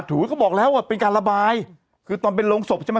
เขาบอกแล้วว่าเป็นการระบายคือตอนเป็นโรงศพใช่ไหม